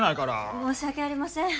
申し訳ありません。